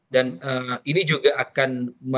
dan ini juga akan